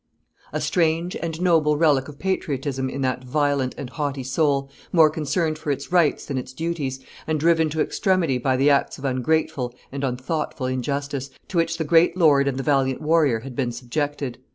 A strange and noble relic of patriotism in that violent and haughty soul, more concerned for its rights than its duties, and driven to extremity by the acts of ungrateful and unthoughtful injustice, to which the great lord and the valiant warrior had been subjected.